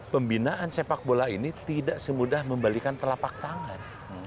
pembinaan sepak bola ini tidak semudah membalikan telapak tangan